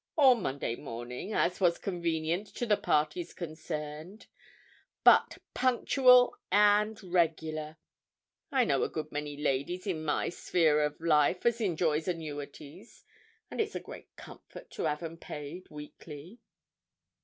Or Monday morning, as was convenient to the parties concerned—but punctual and regular. I know a good many ladies in my sphere of life as enjoys annuities, and it's a great comfort to have 'em paid weekly."